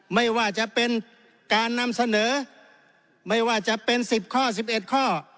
ไม่ว่าจะเป็นการนำเสนอไม่ว่าจะเป็น๑๐ข้อ๑๑ข้อ